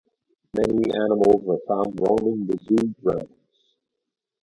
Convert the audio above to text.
Many animals were found roaming the zoo grounds.